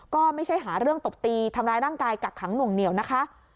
ก็ไม่ใช่หาเรื่องตบตีทำร้ายร่างกายกักขังหน่วงเหนียวนะคะ